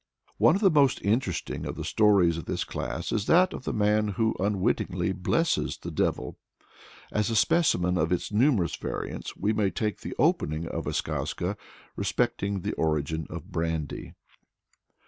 One of the most interesting of the stories of this class is that of the man who unwittingly blesses the devil. As a specimen of its numerous variants we may take the opening of a skazka respecting the origin of brandy.